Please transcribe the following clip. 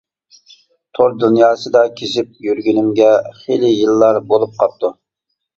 تور دۇنياسىدا كېزىپ يۈرگىنىمگە خېلى يىللار بولۇپ قاپتۇ!